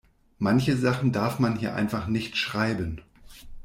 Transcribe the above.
Manche Sachen darf man hier einfach nicht schreiben.